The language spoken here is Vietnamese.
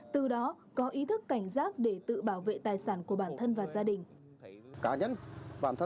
từ đó có ý thức cảnh giác để tự bảo vệ tài sản của bản thân và gia đình